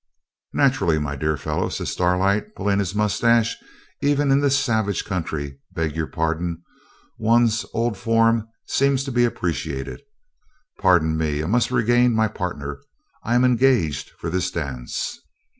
'Naturally, my dear fellow,' says Starlight, pulling his moustache; 'even in this savage country beg your pardon one's old form seems to be appreciated. Pardon me, I must regain my partner; I am engaged for this dance.'